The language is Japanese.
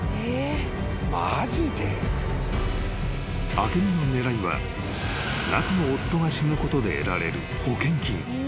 ［明美の狙いは奈津の夫が死ぬことで得られる保険金］